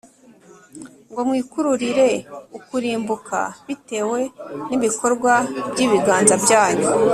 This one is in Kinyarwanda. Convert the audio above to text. ngo mwikururire ukurimbuka, bitewe n’ibikorwa by’ibiganza byanyu,